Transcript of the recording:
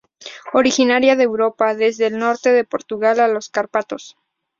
Originaria de Europa desde el norte de Portugal a los Cárpatos.